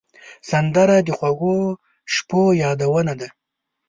سندره د خوږو شپو یادونه ده